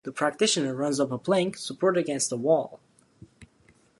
The practitioner runs up a plank supported against a wall.